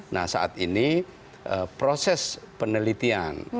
nah saat ini proses penelitian